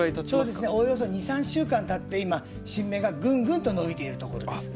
おおよそ２３週間たって今新芽がぐんぐんと伸びているところです。